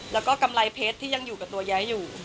แล้วก็กำไรเพชรที่ยังอยู่กับตัวแย้อยู่